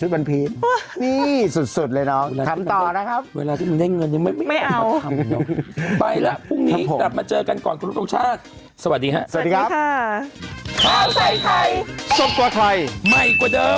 โปรดติดตามตอนต่อไป